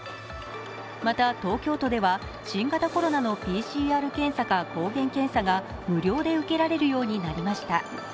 また東京都では新型コロナのＰＣＲ検査か抗原検査が無料で受けられるようになりました。